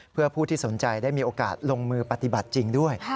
เพื่อผู้ที่สนใจได้มีโอกาสลงมือปฏิบัติจริงด้วย